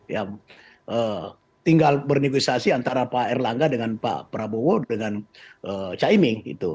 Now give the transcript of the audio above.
ya tinggal bernegosiasi antara pak erlangga dengan pak prabowo dengan caimin gitu